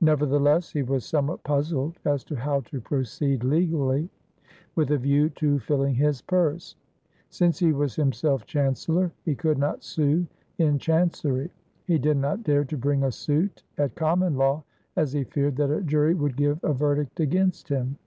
Nevertheless he was somewhat puzzled as to how to proceed legally with a view to filling his purse. Since he was himself Chancellor, he could not sue in chancery. He did not dare to bring a suit at common law, as he feared that a jury would give a verdict against him.